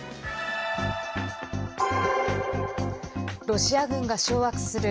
ロシア軍が掌握する